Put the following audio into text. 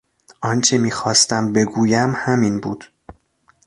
آنچه میخواستم بگویم همین بود.